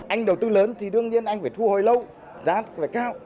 anh đầu tư lớn thì đương nhiên anh phải thu hồi lâu giá cũng phải cao